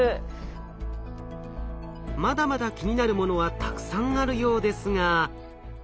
まだまだ気になるものはたくさんあるようですが。